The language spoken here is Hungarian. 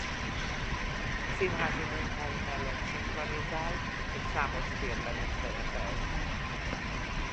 Színházi munkái mellett szinkronizál és számos filmben is szerepelt.